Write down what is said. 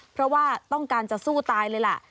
เพราะว่าต้องการจะสู้ตายเลยล่ะ